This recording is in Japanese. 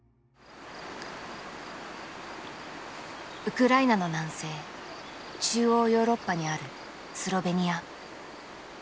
ウクライナの南西中央ヨーロッパにあるスロベニア。